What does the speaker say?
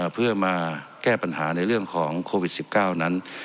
เพื่อมาแก้ปัญหาในเรื่องของโควิด๑๙นั้น